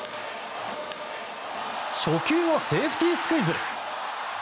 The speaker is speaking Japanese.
初球をセーフティースクイズ！